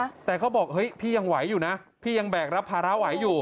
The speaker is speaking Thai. แต่เขาบอกเฮ้ยพี่ยังไหวอยู่นะพี่ยังแบกรับภาระไหวอยู่